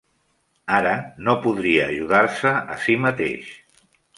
Ara no podria ajudar-se a sí mateix.